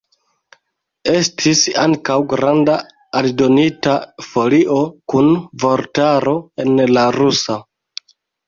Estis ankaŭ granda aldonita folio kun vortaro en la rusa.